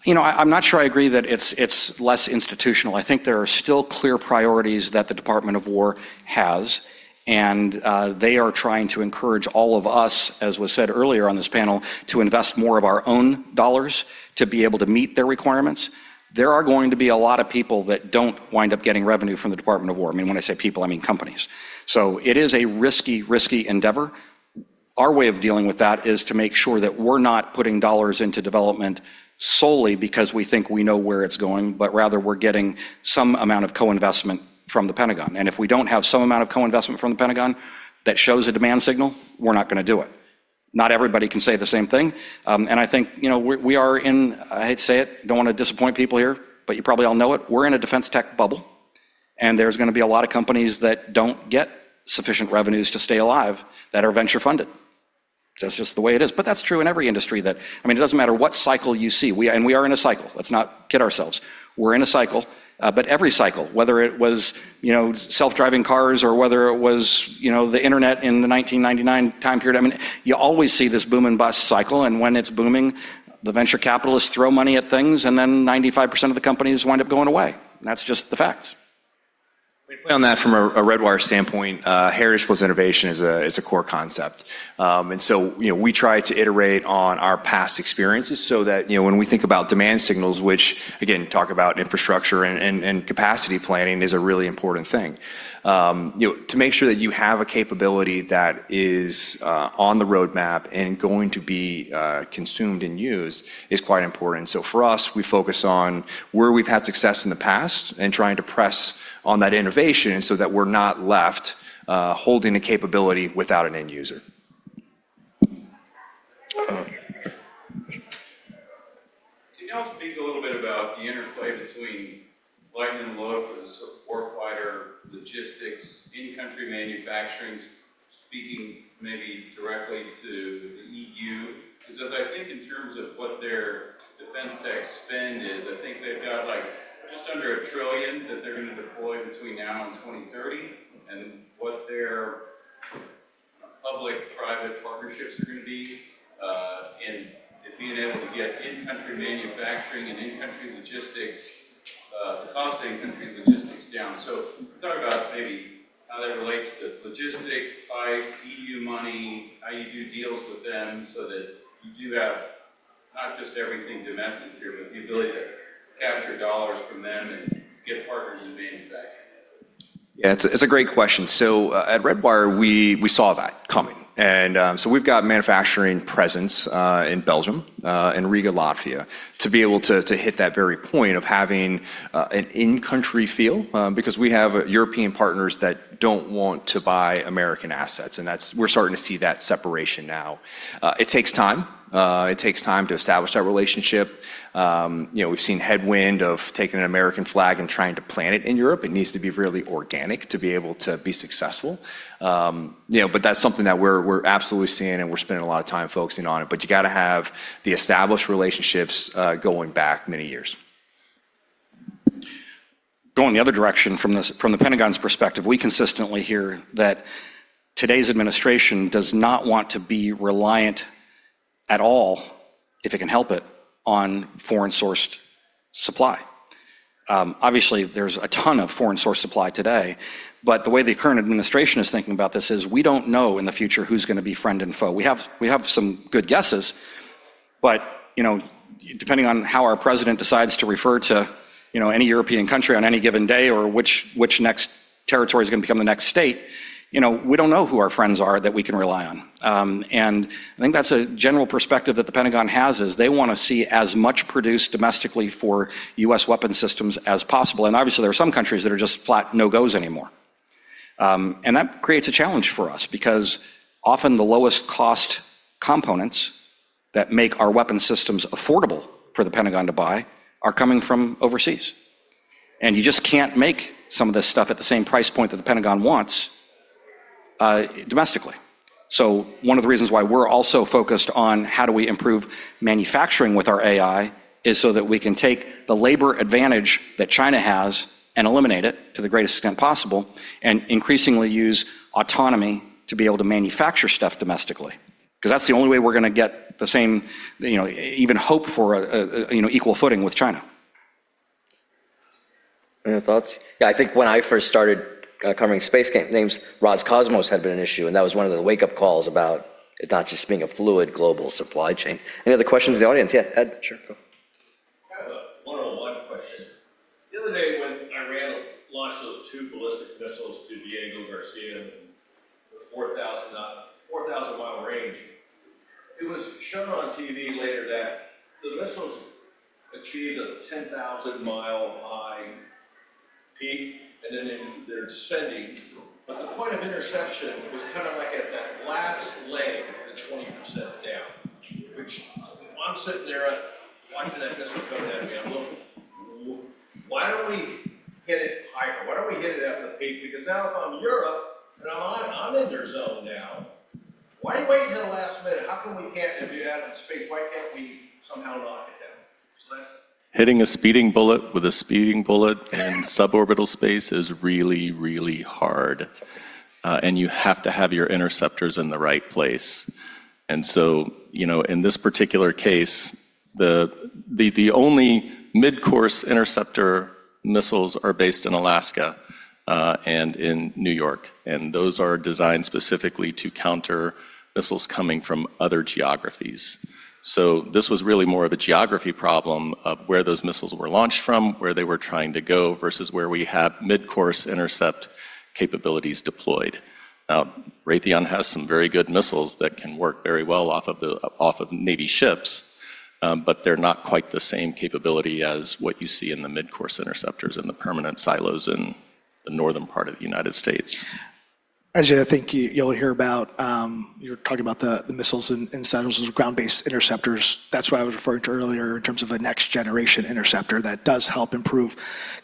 You know, I'm not sure I agree that it's less institutional. I think there are still clear priorities that the Department of Defense has, and they are trying to encourage all of us, as was said earlier on this panel, to invest more of our own dollars to be able to meet their requirements. There are going to be a lot of people that don't wind up getting revenue from the Department of Defense. I mean, when I say people, I mean companies. It is a risky endeavor. Our way of dealing with that is to make sure that we're not putting dollars into development solely because we think we know where it's going, but rather, we're getting some amount of co-investment from the Pentagon. If we don't have some amount of co-investment from the Pentagon that shows a demand signal, we're not gonna do it. Not everybody can say the same thing. I think, you know, I hate to say it, don't wanna disappoint people here, but you probably all know it, we're in a defense tech bubble, and there's gonna be a lot of companies that don't get sufficient revenues to stay alive that are venture funded. That's just the way it is. That's true in every industry. I mean, it doesn't matter what cycle you see. We are in a cycle. Let's not kid ourselves. We're in a cycle. Every cycle, whether it was, you know, self-driving cars or whether it was, you know, the internet in the 1999 time period, I mean, you always see this boom and bust cycle. When it's booming, the venture capitalists throw money at things, and then 95% of the companies wind up going away. That's just the facts. On that, from a Redwire standpoint, Heritage Innovation is a core concept. You know, we try to iterate on our past experiences so that, you know, when we think about demand signals, which again talk about infrastructure and capacity planning is a really important thing. You know, to make sure that you have a capability that is on the roadmap and going to be consumed and used is quite important. For us, we focus on where we've had success in the past and trying to press on that innovation so that we're not left holding the capability without an end user. Can y'all speak a little bit about the interplay between lightning load for the support fighter, logistics, in-country manufacturing, speaking maybe directly to the EU? Because as I think in terms of what their defense tech spend is, I think they've got, like, just under 1 trillion that they're gonna deploy between now and 2030, and what their public-private partnerships are gonna be, in being able to get in-country manufacturing and in-country logistics, the cost in-country logistics down. Talk about maybe how that relates to logistics, price, EU money, how you do deals with them so that you do have not just everything domestic here, but the ability to capture dollars from them and get partners in manufacturing. Yeah. It's a great question. At Redwire, we saw that coming. We've got manufacturing presence in Belgium and Riga, Latvia, to be able to hit that very point of having an in-country feel because we have European partners that don't want to buy American assets, and that's. We're starting to see that separation now. It takes time. It takes time to establish that relationship. You know, we've seen headwind of taking an American flag and trying to plant it in Europe. It needs to be really organic to be able to be successful. You know, that's something that we're absolutely seeing, and we're spending a lot of time focusing on it. You gotta have the established relationships going back many years. Going the other direction, from this, from the Pentagon's perspective, we consistently hear that today's administration does not want to be reliant at all, if it can help it, on foreign-sourced supply. Obviously, there's a ton of foreign-sourced supply today, but the way the current administration is thinking about this is, we don't know in the future who's gonna be friend and foe. We have some good guesses, but, you know, depending on how our president decides to refer to, you know, any European country on any given day or which next territory is gonna become the next state, you know, we don't know who our friends are that we can rely on. I think that's a general perspective that the Pentagon has, is they wanna see as much produced domestically for U.S. weapon systems as possible. Obviously, there are some countries that are just flat no-gos anymore. That creates a challenge for us because often the lowest cost components that make our weapon systems affordable for the Pentagon to buy are coming from overseas. You just can't make some of this stuff at the same price point that the Pentagon wants domestically. One of the reasons why we're also focused on how do we improve manufacturing with our AI is so that we can take the labor advantage that China has and eliminate it to the greatest extent possible, and increasingly use autonomy to be able to manufacture stuff domestically, 'cause that's the only way we're gonna get the same, you know, even hope for equal footing with China. Any thoughts? Yeah, I think when I first started covering space companies, Roscosmos had been an issue, and that was one of the wake-up calls about it not just being a fluid global supply chain. Any other questions in the audience? Yeah, Ed. Sure, go. I have a one-on-one question. The other day when Iran launched those 2 ballistic missiles to Diego Garcia, and the 4,000 mi range, it was shown on TV later that the missiles achieved a 10,000 mi high peak, and then they're descending. But the point of interception was kind of like at that last leg, the 20% down, which I'm sitting there watching that missile go down, and I'm looking, "Well, why don't we hit it higher? Why don't we hit it at the peak?" Because now if I'm Europe, and I'm in their zone now, why wait until the last minute? How come we can't do that in space? Why can't we somehow knock it down? That's- Hitting a speeding bullet with a speeding bullet in suborbital space is really, really hard. You have to have your interceptors in the right place. You know, in this particular case, the only midcourse interceptor missiles are based in Alaska and in New York, and those are designed specifically to counter missiles coming from other geographies. This was really more of a geography problem of where those missiles were launched from, where they were trying to go versus where we have midcourse intercept capabilities deployed. Now, Raytheon has some very good missiles that can work very well off of Navy ships, but they're not quite the same capability as what you see in the midcourse interceptors and the permanent silos in the northern part of the United States. Ajay, you're talking about the missiles in silos as Ground-Based Interceptors. That's what I was referring to earlier in terms of a Next Generation Interceptor that does help improve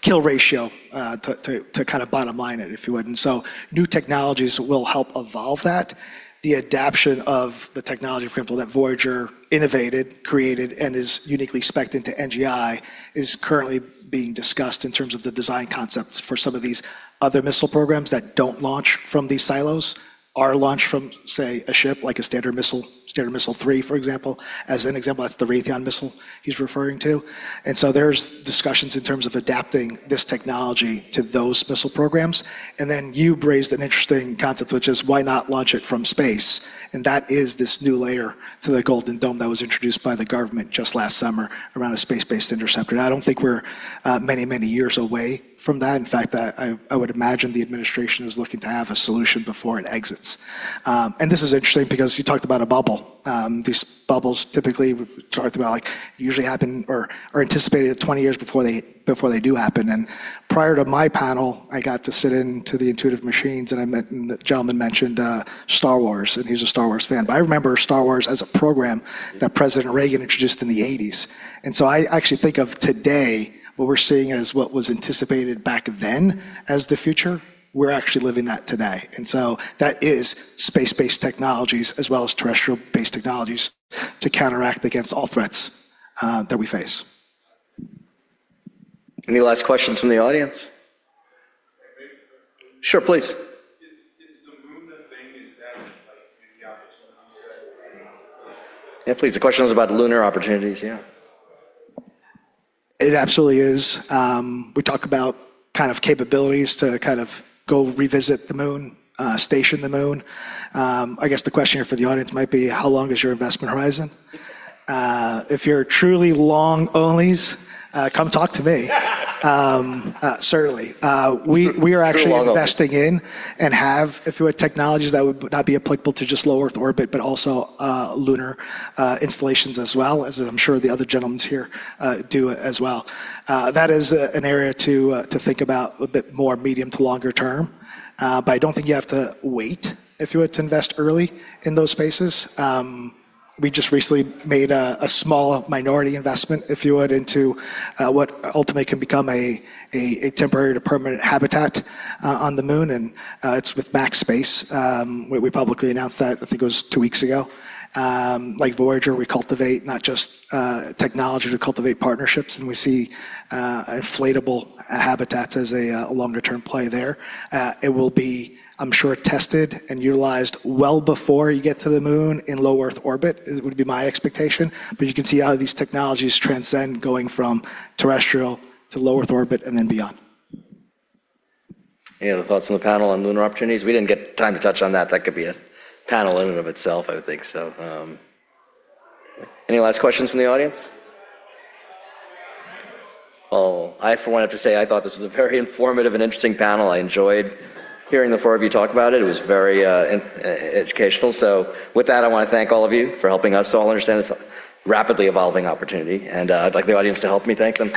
kill ratio to kind of bottom line it, if you would. New technologies will help evolve that. The adoption of the technology, for example, that Voyager innovated, created, and is uniquely specced into NGI is currently being discussed in terms of the design concepts for some of these other missile programs that don't launch from these silos, are launched from, say, a ship, like a standard missile, Standard Missile-3, for example. As an example, that's the Raytheon missile he's referring to. There's discussions in terms of adapting this technology to those missile programs. You raised an interesting concept, which is why not launch it from space. That is this new layer to the Golden Dome that was introduced by the government just last summer around a space-based interceptor. I don't think we're many years away from that. In fact, I would imagine the administration is looking to have a solution before it exits. This is interesting because you talked about a bubble. These bubbles typically we've talked about, like, usually happen or are anticipated at 20 years before they do happen. Prior to my panel, I got to sit in on the Intuitive Machines, and I met the gentleman mentioned Star Wars, and he's a Star Wars fan. I remember Star Wars as a program that President Reagan introduced in the 1980s. I actually think of today what we're seeing as what was anticipated back then as the future. We're actually living that today. That is space-based technologies as well as terrestrial-based technologies to counteract against all threats that we face. Any last questions from the audience? Sure, please. Is the moon the thing? Is that, like, maybe the opportunity set right now? Yeah, please. The question was about lunar opportunities. Yeah. It absolutely is. We talk about kind of capabilities to kind of go revisit the moon, station the moon. I guess the question here for the audience might be how long is your investment horizon? If you're truly long onlys, come talk to me. Certainly. We are actually- True long only -investing in and have, if you want, technologies that would not be applicable to just low Earth orbit, but also, lunar installations as well, as I'm sure the other gentlemen here, do as well. That is an area to think about a bit more medium- to long-term. I don't think you have to wait, if you would, to invest early in those spaces. We just recently made a small minority investment, if you would, into what ultimately can become a temporary to permanent habitat on the moon, and it's with Maxar Space. We publicly announced that, I think it was two weeks ago. Like Voyager, we cultivate not just technology to cultivate partnerships, and we see inflatable habitats as a longer-term play there. It will be, I'm sure, tested and utilized well before you get to the moon in low Earth orbit, would be my expectation. You can see how these technologies transcend going from terrestrial to low Earth orbit and then beyond. Any other thoughts from the panel on lunar opportunities? We didn't get time to touch on that. That could be a panel in and of itself, I would think so. Any last questions from the audience? Well, I, for one, have to say I thought this was a very informative and interesting panel. I enjoyed hearing the four of you talk about it. It was very educational. With that, I wanna thank all of you for helping us all understand this rapidly evolving opportunity, and I'd like the audience to help me thank them.